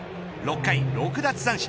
６回６奪三振